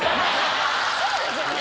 そうですよね！